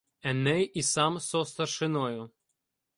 Еней і сам со старшиною